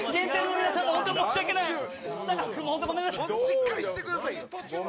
なんちゅうしっかりしてくださいよ。